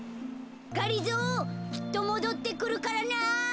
がりぞーきっともどってくるからな。